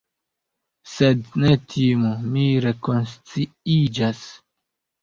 Sed ne timu; mi rekonsciiĝas.